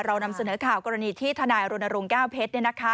เรานำเสนอข่าวกรณีที่ทนายโรนโรงแก้วเพชรเนี่ยนะคะ